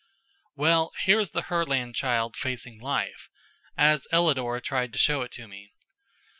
Well, here is the Herland child facing life as Ellador tried to show it to me.